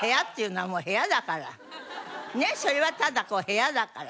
ねえそれはただこう部屋だから。